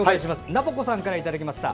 なぽこさんからいただきました。